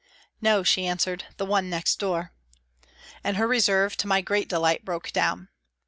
" No," she answered, " the one next door," and her reserve, to my great delight, broke down.